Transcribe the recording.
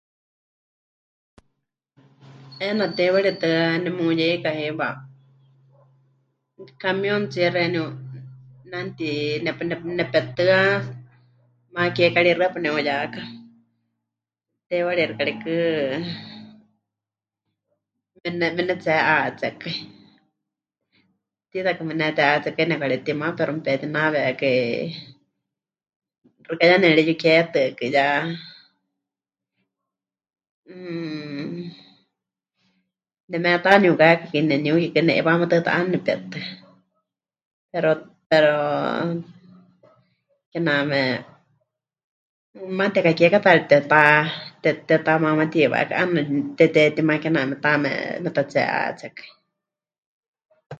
'Eena teiwaritɨ́a nemuyeika heiwa camióntsie xeeníu ne'anuti... nep... nep... nepetɨa maana kiekari hixɨ́apa neuyaka, teiwarixi karikɨ ne... mepɨnetsihe'aatsékai, tiitakɨ mepɨnete'aatsékai nepɨkaretima pero mepetínaawekai, ya nemɨreyuketɨakɨ ya, mmm, nemetaniukákaikɨ neniukikɨ, ne'iwá matɨa ta 'aana nepetɨa pero, pero kename maana tekakiekataari tepɨteha... tepɨ... tepɨtehamamatiwakai, 'aana tepɨtehetima kename taame metatsihe'aatsékai.